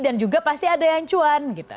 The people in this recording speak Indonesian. juga pasti ada yang cuan gitu